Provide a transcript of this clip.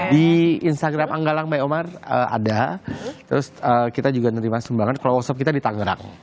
di instagram anggalang my omar ada terus kita juga menerima sumbangan kroser kita di tangerang